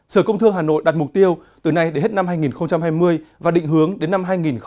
sở công thương hà nội đặt mục tiêu từ nay đến hết năm hai nghìn hai mươi và định hướng đến năm hai nghìn ba mươi